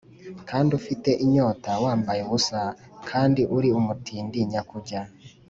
kandi ufite inyota, wambaye ubusa kandi uri umutindi nyakujya.